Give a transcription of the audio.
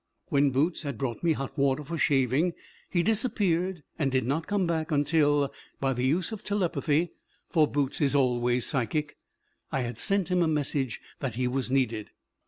When Boots had brought me hot water for shaving he disappeared and did not come back until, by the use of telepathy (for Boots is always psychic), I had sent him a message that he was needed.